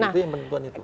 itu yang penting itu